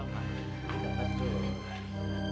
gak betul nih